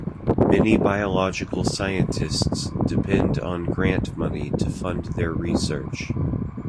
Many biological scientists depend on grant money to fund their research.